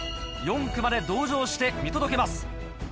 ４区まで同乗して見届けます。